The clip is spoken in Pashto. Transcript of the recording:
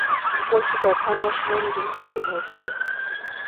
غوښې د افغان ماشومانو د زده کړې موضوع ده.